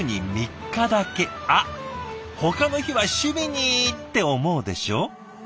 あっほかの日は趣味にって思うでしょ？